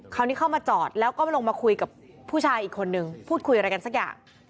คราวนี้เข้ามาจอดแล้วก็ลงมาคุยกับผู้ชายอีกคนนึงพูดคุยอะไรกันสักอย่าง